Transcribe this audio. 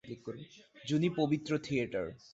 জুনি পবিত্র থিয়েটার।